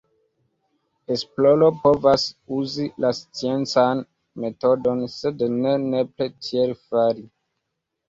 Esploro povas uzi la sciencan metodon, sed ne nepre tiel fari.